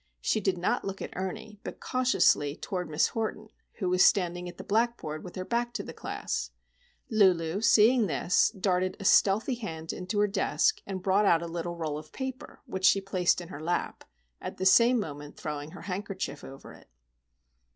She did not look at Ernie, but cautiously toward Miss Horton, who was standing at the blackboard with her back toward the class. Lulu, seeing this, darted a stealthy hand into her desk, and brought out a little roll of paper which she placed in her lap, at the same moment throwing her handkerchief over it.